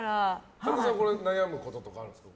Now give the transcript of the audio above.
神田さん悩むこととかあるんですか？